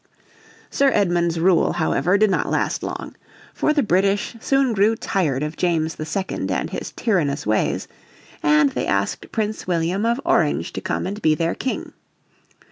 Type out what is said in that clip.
Sir Edmund's rule, however, did not last long. For the British soon grew tired of James II and his tyrannous ways, and they asked Prince William of Orange to come and be their King.